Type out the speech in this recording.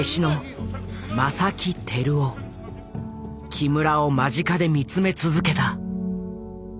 木村を間近で見つめ続けた。